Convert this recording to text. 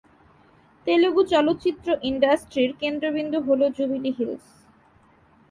তেলুগু চলচ্চিত্র ইন্ডাস্ট্রির কেন্দ্রবিন্দু হলো জুবিলি হিলস।